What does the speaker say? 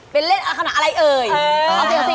เป็นเล่นคำถามอะไรเอ่ย